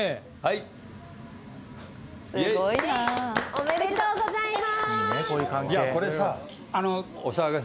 ありがとうございます。